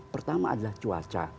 pertama adalah cuaca